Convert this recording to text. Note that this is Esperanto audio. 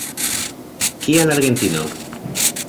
Kial Argentino?